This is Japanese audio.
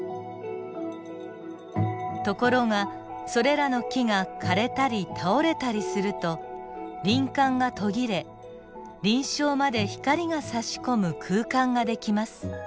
ところがそれらの木が枯れたり倒れたりすると林冠が途切れ林床まで光がさし込む空間が出来ます。